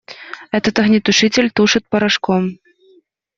Этот огнетушитель тушит порошком.